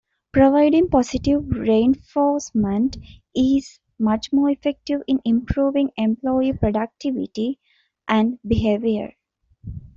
Providing positive reinforcement is much more effective in improving employee productivity and behavior.